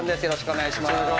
よろしくお願いします。